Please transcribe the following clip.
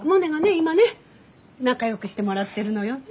今ね仲よくしてもらってるのよね。